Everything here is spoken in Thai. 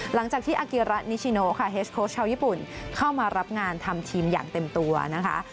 หลังจากที่อากิระนิชิโนค่ะเฮสโค้ชชาวญี่ปุ่นเข้ามารับงานทำทีมอย่างเต็มตัวนะคะ